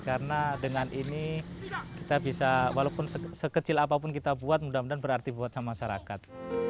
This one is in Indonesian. karena dengan ini kita bisa walaupun sekecil apapun kita buat mudah mudahan berarti buat sama masyarakat